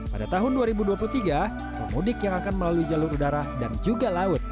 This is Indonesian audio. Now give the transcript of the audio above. pada tahun dua ribu dua puluh tiga pemudik yang akan melalui jalur udara dan juga laut